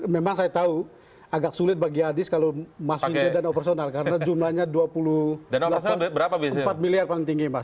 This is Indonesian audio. memang saya tahu agak sulit bagi adis kalau mas windy dan operasional karena jumlahnya dua puluh delapan empat miliar paling tinggi mas